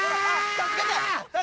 助けて！